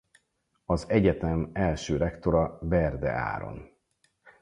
Az egyetem első rektora Berde Áron.